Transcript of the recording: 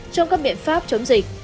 trong các biện pháp chống dịch